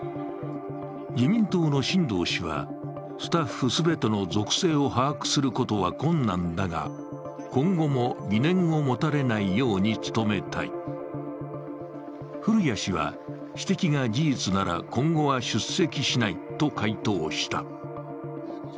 自民党の新藤氏はスタッフ全ての属性を把握することは困難だが、今後も疑念を持たれないように努めたい、古屋氏は、指摘が事実なら今後は出席しないと回答した。